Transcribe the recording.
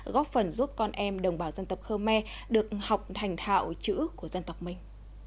góp phần giúp con em đồng bào dân tộc khơ me được học thành thạo chữ của dân tộc mình